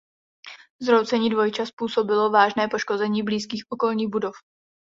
Zhroucení „Dvojčat“ způsobilo vážné poškození blízkých okolních budov.